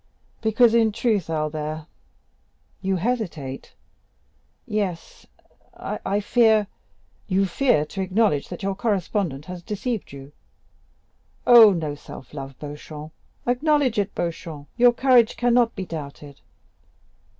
"Because, in truth, Albert——" "You hesitate?" "Yes,—I fear." "You fear to acknowledge that your correspondent has deceived you? Oh, no self love, Beauchamp. Acknowledge it, Beauchamp; your courage cannot be doubted."